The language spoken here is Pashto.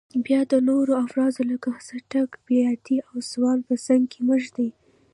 باید د نورو افزارو لکه څټک، بیاتي او سوان په څنګ کې مه ږدئ.